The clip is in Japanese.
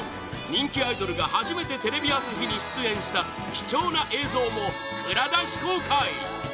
人気アイドルが初めてテレビ朝日に出演した貴重な映像も、蔵出し公開！